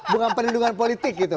bukan perlindungan politik gitu